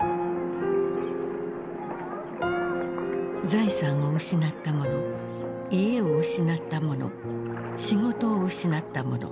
財産を失った者家を失った者仕事を失った者。